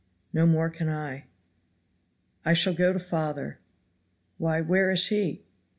"No more can I." "I shall go to father." "Why where is he?"